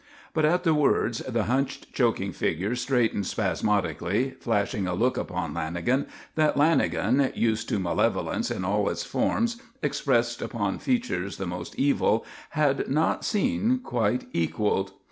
But at the words the hunched, choking figure straightened spasmodically, flashing a look upon Lanagan that Lanagan, used to malevolence in all its forms expressed upon features the most evil, had not seen quite equalled.